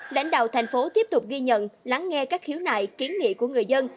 lãnh đạo thành phố tiếp tục ghi nhận lắng nghe các khiếu nại kiến nghị của người dân